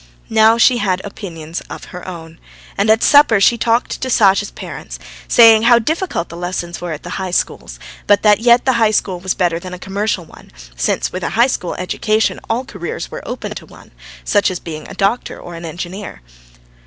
Now she had opinions of her own, and at supper she talked to Sasha's parents, saying how difficult the lessons were at the high schools, but that yet the high school was better than a commercial one, since with a high school education all careers were open to one, such as being a doctor or an engineer.